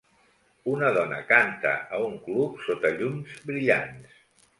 Una dona canta a un club sota llums brillants